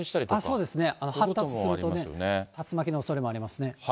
そうですね、発達するとね、竜巻のおそれもありますね。